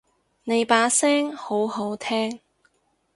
你把聲好好聽